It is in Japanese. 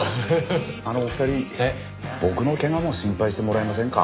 あのお二人僕の怪我も心配してもらえませんか？